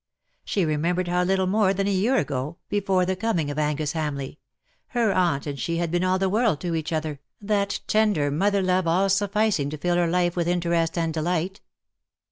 She remembered how little more than a year ago — before the coming of Angus Hamleigh — her aunt and she had been all the world to each other, that 48 " GRIEF A FIXED STAR," ETC. tender motlier love all sufficing to fill her life with interest and delight.